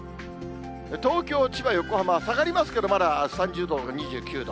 東京、千葉、横浜は下がりますけど、まだ３０度、２９度。